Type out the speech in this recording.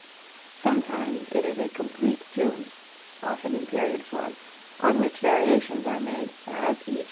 Sometimes it is a complete tune (often in period form), on which variations are made, as _e.